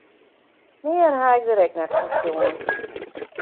Mear ha ik dêr ek net fan sjoen.